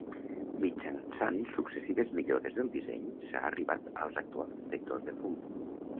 Mitjançant successives millores del disseny, s'ha arribat als actuals detectors de fum.